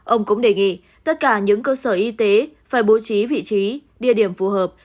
ông cũng đề nghị tất cả những cơ sở y tế phải bố trí vị trí địa điểm phù hợp